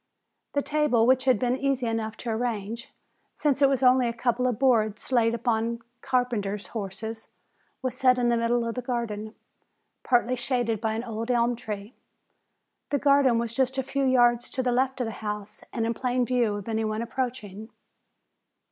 The table, which had been easy enough to arrange, since it was only a couple of boards laid upon carpenter's horses, was set in the middle of the garden, partly shaded by an old elm tree. The garden was just a few yards to the left of the house and in plain view of any one approaching.